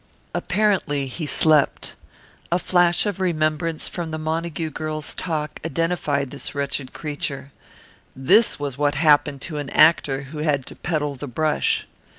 Apparently he slept. A flash of remembrance from the Montague girl's talk identified this wretched creature. This was what happened to an actor who had to peddle the brush.